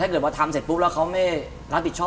เกิดมาทำเสร็จปุ๊บแล้วเขาไม่รับผิดชอบ